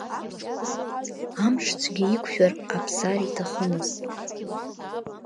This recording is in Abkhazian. Амш цәгьа иқәшәар Аԥсар иҭахымызт.